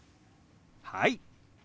はい！